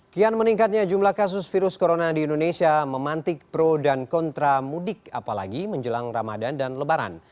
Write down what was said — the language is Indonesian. kian meningkatnya jumlah kasus virus corona di indonesia memantik pro dan kontra mudik apalagi menjelang ramadan dan lebaran